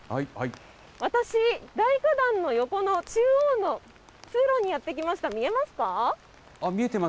私、大花壇の横の中央の通路にやって来ました、見えますか？